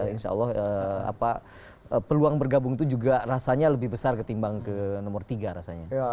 insya allah peluang bergabung itu juga rasanya lebih besar ketimbang ke nomor tiga rasanya